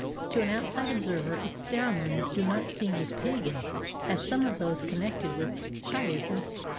To an outside observer its ceremonies do not seem as "pagan" as some of those connected with Shiahism.